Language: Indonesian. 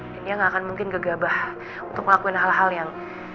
dan dia gak akan mungkin gegabah untuk ngelakuin hal hal yang